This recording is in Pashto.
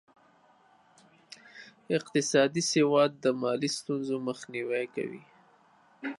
اقتصادي سواد د مالي ستونزو مخنیوی کوي.